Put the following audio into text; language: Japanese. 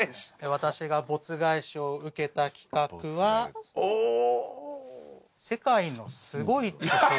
私がボツ返しを受けた企画は「世界のすごい地層」。